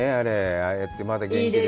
ああやってまだ元気で。